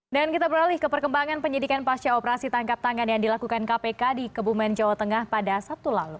dan kita beralih ke perkembangan penyidikan pasca operasi tangkap tangan yang dilakukan kpk di kebumen jawa tengah pada sabtu lalu